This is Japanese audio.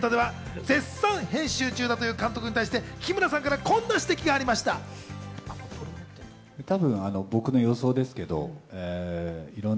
イベントでは絶賛編集中だという監督に対して木村さんからこんな指摘がありました。